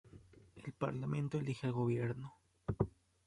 El Parlamento elige al Gobierno.